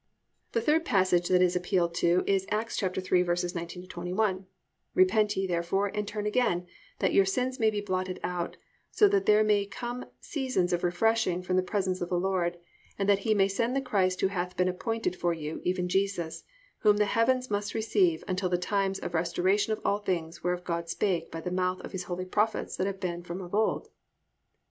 3. The third passage that is appealed to is Acts 3:19 21: +"Repent ye therefore, and turn again, that your sins may be blotted out, that so there may come seasons of refreshing from the presence of the Lord; and that He may send the Christ who hath been appointed for you, even Jesus: Whom the heaven must receive until the times of restoration of all things whereof God spake by the mouth of His holy prophets that have been from of old."